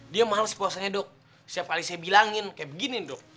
dia males puasanya dok setiap kali saya bilangin kayak begini dok